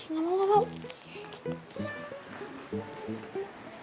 nggak mau gak mau